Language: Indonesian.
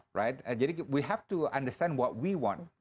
jadi kita harus memahami apa yang kita inginkan